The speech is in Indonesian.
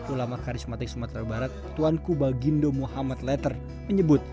ulama karismatik sumatera barat tuan kuba gindo muhammad letter menyebut